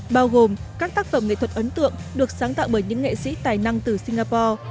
bao gồm các tác phẩm nghệ thuật ấn tượng được sáng tạo bởi những nghệ sĩ tài năng từ singapore